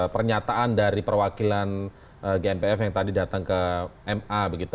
pernyataan dari perwakilan gmpf yang tadi datang ke ma begitu